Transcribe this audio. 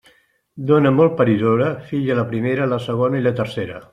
Dona molt paridora, filla la primera, la segona i la tercera.